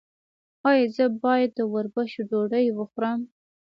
ایا زه باید د وربشو ډوډۍ وخورم؟